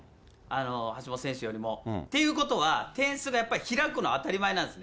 橋本選手よりも。っていうことは、点数がやっぱり開くのは当たり前なんです。